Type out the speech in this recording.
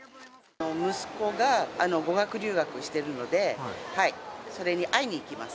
息子が語学留学してるので、それに会いに行きます。